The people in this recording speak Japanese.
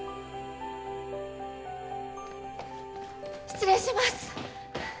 失礼します！